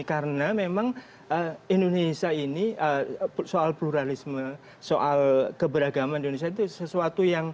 karena memang indonesia ini soal pluralisme soal keberagaman di indonesia itu sesuatu yang